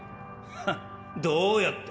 ハッどうやって？